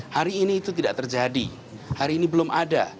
hari ini itu tidak terjadi hari ini belum ada